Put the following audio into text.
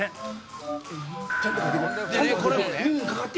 ちゃんとかけて！